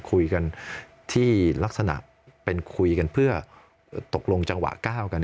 คุยกันที่ลักษณะเป็นคุยกันเพื่อตกลงจังหวะก้าวกัน